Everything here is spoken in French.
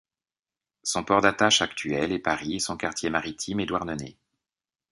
Son port d'attache actuel est Paris et son quartier maritime est Douarnenez.